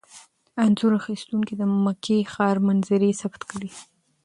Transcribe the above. انځور اخیستونکي د مکې ښاري منظرې ثبت کړي.